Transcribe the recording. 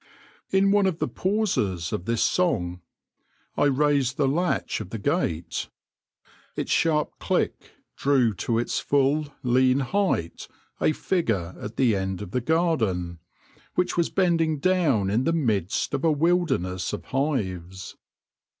In one of the pauses of this song, I raised the latch of the gate. Its sharp click drew to its full lean height a figure at the end of the garden, which was bending down in the midst of a wilderness of hives.